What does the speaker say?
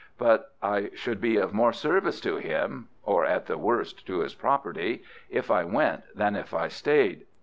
But I should be of more service to him—or, at the worst, to his property—if I went than if I stayed.